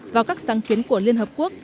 vào các sáng kiến của liên hiệp quốc